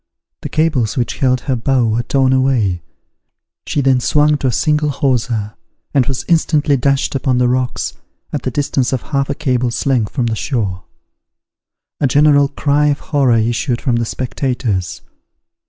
The cables which held her bow were torn away: she then swung to a single hawser, and was instantly dashed upon the rocks, at the distance of half a cable's length from the shore. A general cry of horror issued from the spectators.